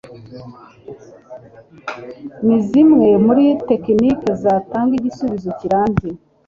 ni zimwe muri tekiniki zitanga igisubizo kirambye